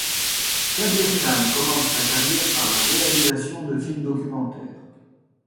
Kabir Khan commence sa carrière par la réalisation de films documentaires.